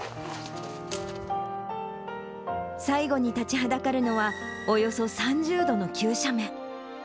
最後に立ちはだかるのは、およそ３０度の急斜面。